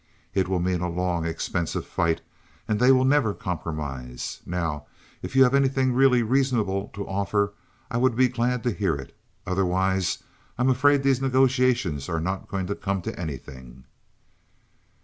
It will mean a long, expensive fight, and they will never compromise. Now, if you have anything really reasonable to offer I would be glad to hear it. Otherwise I am afraid these negotiations are not going to come to anything."